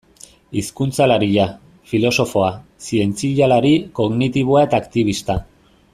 Hizkuntzalaria, filosofoa, zientzialari kognitiboa eta aktibista.